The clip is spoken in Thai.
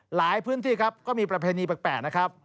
หลายพื้นที่ครับก็มีประเพณีแปลกนะครับ